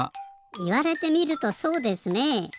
いわれてみるとそうですねえ。